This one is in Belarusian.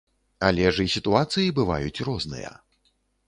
Але ж і сітуацыі бываюць розныя.